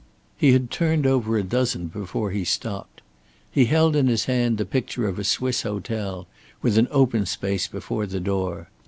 He had turned over a dozen before he stopped. He held in his hand the picture of a Swiss hotel, with an open space before the door.